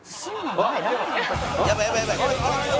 「やばいやばいやばい！」